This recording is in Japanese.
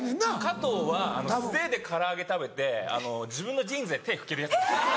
加藤は素手で唐揚げ食べて自分のジーンズで手拭けるヤツなんですよ。